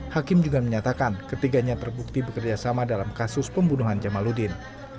hakim juga menyatakan ketiganya terbukti bekerjasama dalam kasus pembunuhan jamaludin